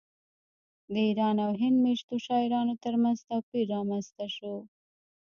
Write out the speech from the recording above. د ایران او هند میشتو شاعرانو ترمنځ توپیر رامنځته شو